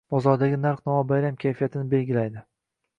Bozordagi narx-navo bayram kayfiyatini belgilaydi